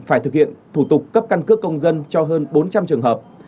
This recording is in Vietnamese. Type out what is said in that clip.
phải thực hiện thủ tục cấp căn cước công dân cho hơn bốn trăm linh trường hợp